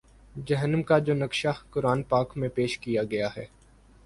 جہنم کا جو نقشہ قرآن پاک میں پیش کیا گیا ہے